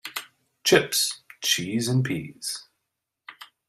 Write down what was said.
Chips, cheese and peas.